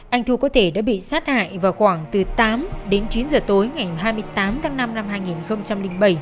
anh thu có thể đã bị sát hại vào khoảng từ tám đến chín giờ tối ngày hai mươi tám tháng năm năm hai nghìn bảy